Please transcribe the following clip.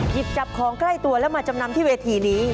หยิบจับของใกล้ตัวแล้วมาจำนำที่เวทีนี้